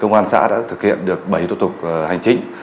công an xã đã thực hiện được bảy tổ tục hành chính